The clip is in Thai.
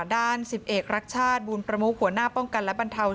สิบเอกรักชาติบูลประมุกหัวหน้าป้องกันและบรรเทา